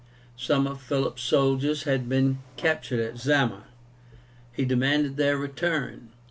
Some of Philip's soldiers had been captured at Zama. He demanded their return.